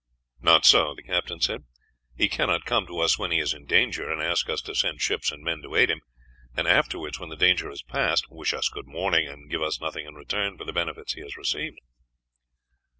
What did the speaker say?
"Not so," the captain said; "he cannot come to us when he is in danger and ask us to send ships and men to aid him, and afterwards, when the danger has passed, wish us good morning, and give us nothing in return for the benefits he had received."